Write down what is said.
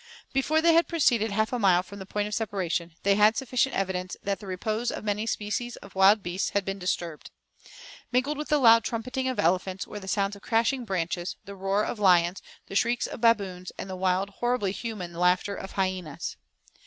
Before they had proceeded half a mile from the point of separation, they had sufficient evidence that the repose of many species of wild beasts had been disturbed. Mingled with the loud trumpeting of elephants were the sounds of crashing branches, the roar of lions, the shrieks of baboons, and the wild, horribly human, laughter of hyenas.